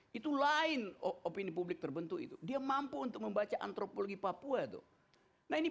hai itu lain opini publik terbentuk itu dia mampu untuk membaca antropologi papua tuh nah ini